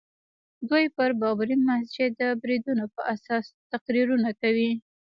دوی پر بابري مسجد د بریدونو په اساس تقریرونه کوي.